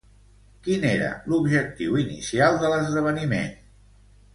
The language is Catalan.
Quin era l'objectiu inicial de l'esdeveniment?